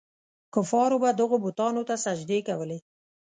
کفارو به دغو بتانو ته سجدې کولې.